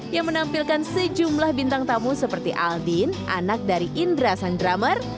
yang menampilkan sejumlah bintang tamu seperti aldin anak dari indra sang drummer